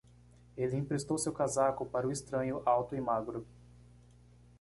Ele emprestou seu casaco para o estranho alto e magro.